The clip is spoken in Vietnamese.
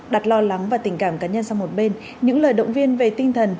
đặt lo lắng và tình cảm cá nhân sang một bên những lời động viên về tinh thần